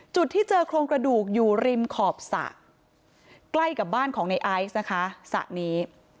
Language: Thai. จุดที่เจอโครงกระดูกอยู่ริมขอบสระใกล้กับบ้านของในไอซ์นะคะสระนี้